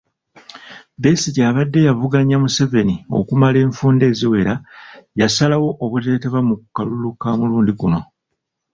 Besigye abadde yaakavuganya Museveni okumala enfunda eziwera yasalawo obuteetaba mu kalulu ka mulundi guno.